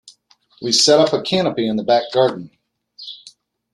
We set up a canopy in the back garden.